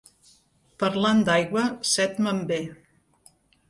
Parlant d'aigua, set me'n ve.